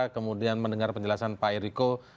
kemudian mendengar penjelasan pak eriko